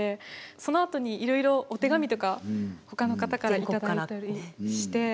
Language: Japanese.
そのあとにいろいろお手紙とか他の方から頂いたりして。